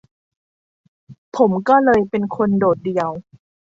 ผมก็เลยเป็นคนโดดเดี่ยว